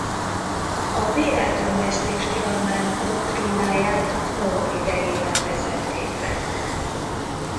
A vérátömlesztés tilalmának doktrínáját Knorr idejében vezették be.